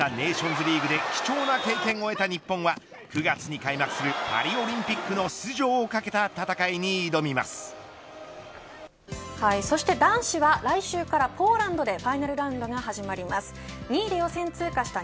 １カ月にわたったネーションズリーグで貴重な経験をえた日本は９月に開幕するパリオリンピックの出場を懸けた戦いにそして男子は来週からポーランドでファイナルラウンドが始まります。